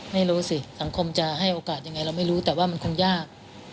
ไม่รู้สิสังคมจะให้โอกาสยังไงเราไม่รู้แต่ว่ามันคงยาก